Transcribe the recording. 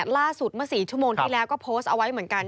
ล่าสุดเมื่อ๔ชั่วโมงที่แล้วก็โพสต์เอาไว้เหมือนกัน